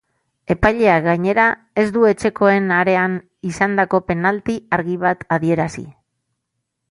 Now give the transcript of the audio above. Epaileak, gainera, ez du etxekoen arean izandako penalti argi bat adierazi.